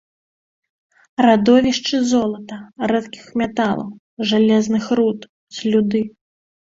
Радовішчы золата, рэдкіх металаў, жалезных руд, слюды.